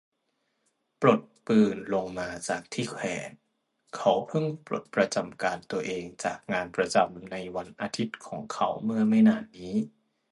ปลดปืนลงมาจากที่แขวน เขาเพิ่งปลดประจำการตัวเองจากงานประจำในวันอาทิตย์ของเขาเมื่อไม่นานนี้